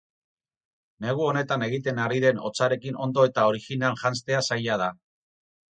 Negu honetan egiten ari den hotzarekin ondo eta original janztea zaila da.